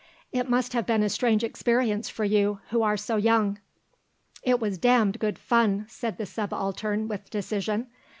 "It must have been a strange experience for you, who are so young." "It was damned good fun," said the Subaltern with decision.